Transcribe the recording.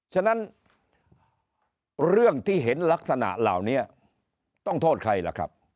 ฉะนั้นเรื่องที่เห็นลักษณะเหล่านี้ต้องโทษใครล่ะครับ